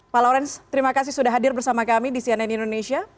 pak lawrence terima kasih sudah hadir bersama kami di cnn indonesia